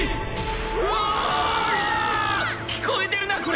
うわぁ‼聞こえてるなこれ！